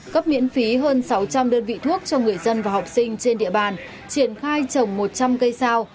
cấp miễn phí hơn sáu trăm linh đơn vị thuốc cho người dân và học sinh trên địa bàn triển khai trồng một trăm linh cây sao